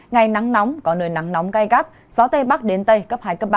ngày nắng nóng có nơi nắng nóng gai gắt gió tây bắc đến tây cấp hai cấp ba